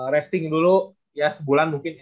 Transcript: rating dulu ya sebulan mungkin